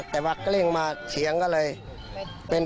แต่ว่ากลิ้งมาเฉียงก็เลย